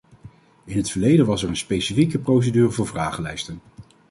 In het verleden was er een specifieke procedure voor vragenlijsten.